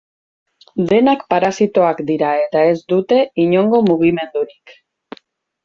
Denak parasitoak dira eta ez dute inongo mugimendurik.